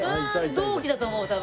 同期だと思う多分。